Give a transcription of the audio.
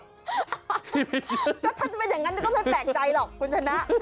ก็ถ้าจะเป็นอย่างนั้นก็ไม่แปลกใจหรอกคุณชนะ